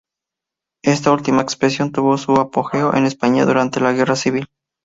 Esta última expresión tuvo su apogeo en España durante la Guerra Civil.